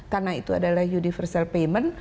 karena itu adalah universal payment